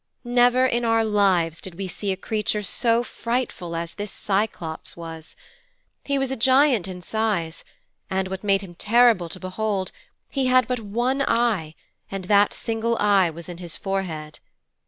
Never in our lives did we see a creature so frightful as this Cyclops was. He was a giant in size, and, what made him terrible to behold, he had but one eye, and that single eye was in his forehead.